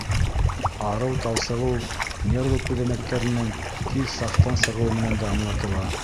Арыу-талсығыу нервы күҙәнәктәренең тиҙ сафтан сығыуы менән дә аңлатыла.